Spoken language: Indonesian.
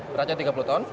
beratnya tiga puluh ton